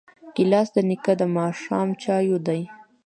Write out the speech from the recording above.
ګیلاس د نیکه د ماښام چایو دی.